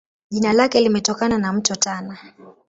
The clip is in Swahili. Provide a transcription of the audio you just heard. Jina lake limetokana na Mto Tana.